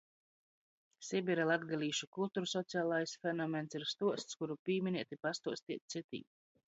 Sibira latgalīšu kultursocialais fenomens ir stuosts, kuru pīminēt i pastuosteit cytim.